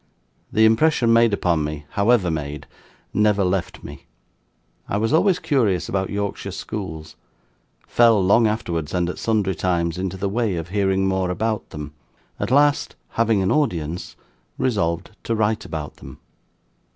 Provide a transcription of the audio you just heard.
The impression made upon me, however made, never left me. I was always curious about Yorkshire schools fell, long afterwards and at sundry times, into the way of hearing more about them at last, having an audience, resolved to write about them.